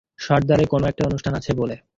সর্দারের কোন একটা অনুষ্ঠান আছে বলে।